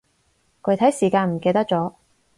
具體時間唔記得咗